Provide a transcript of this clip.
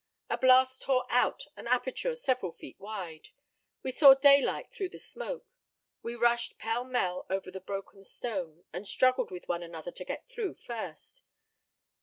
A blast tore out an aperture several feet wide. We saw daylight through the smoke. We rushed pell mell over the broken stone, and struggled with one another to get through first.